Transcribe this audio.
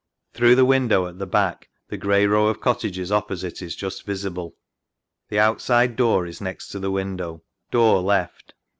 Through the window at the back the grey row of cottages opposite is just visible. The outside door is next to the window. Door left.